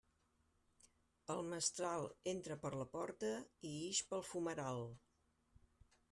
El mestral entra per la porta i ix pel fumeral.